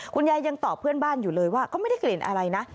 คุณยายยังตอบเพื่อนบ้านอยู่เลยว่าก็ไม่ได้กลิ่นอะไรนะ